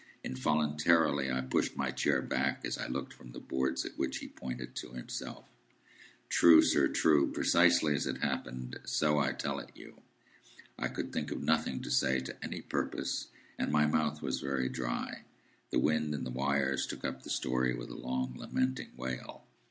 Involuntarily I pushed my chair back, as I looked from the boards at which he pointed to himself. "True, sir. True. Precisely as it happened, so I tell it you." I could think of nothing to say, to any purpose, and my mouth was very dry. The wind and the wires took up the story with a long lamenting wail.